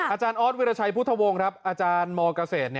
อาจารย์ออสวิราชัยพุทธวงศ์อาจารย์มเกษตร